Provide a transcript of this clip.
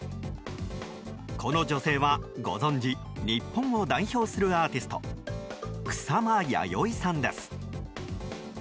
この女性は、ご存じ日本を代表するアーティスト草間彌生さんです。